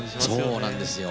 そうなんですよ。